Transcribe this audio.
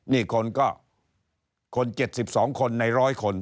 นี่คนก็คน๗๒คนใน๑๐๐คน